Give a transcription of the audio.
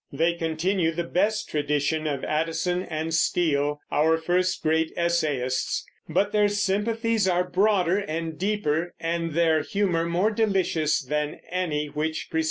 They continue the best tradition of Addison and Steele, our first great essayists; but their sympathies are broader and deeper, and their humor more delicious than any which preceded them.